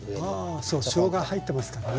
あそうしょうが入ってますからね。